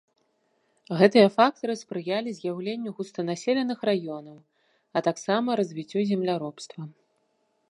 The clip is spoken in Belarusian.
Гэтыя фактары спрыялі з'яўленню густанаселеных раёнаў, а таксама развіццю земляробства.